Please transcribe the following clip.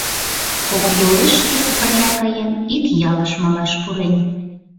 Кок йолешке, пырля каен, ик ялыш малаш пурен.